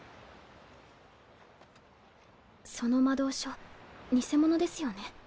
その魔導書偽物ですよね？